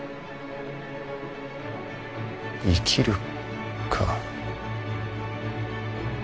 「生きる」か。